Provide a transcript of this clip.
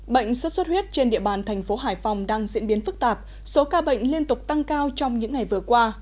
bệnh sốt xuất huyết trên địa bàn thành phố hải phòng đang diễn biến phức tạp số ca bệnh liên tục tăng cao trong những ngày vừa qua